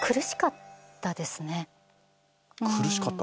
苦しかった？